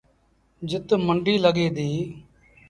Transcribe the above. جت منڊيٚ لڳي ديٚ